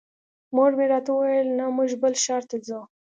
مور مې راته وویل نه موږ بل ښار ته ځو.